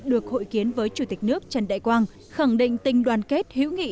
được hội kiến với chủ tịch nước trần đại quang khẳng định tình đoàn kết hữu nghị